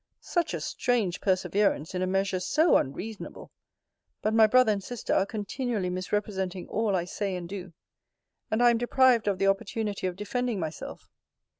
Such a strange perseverance in a measure so unreasonable! But my brother and sister are continually misrepresenting all I say and do; and I am deprived of the opportunity of defending myself!